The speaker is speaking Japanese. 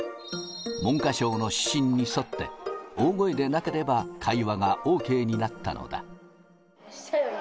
文科省の指針に沿って、大声でなければ会話がＯＫになったのだ。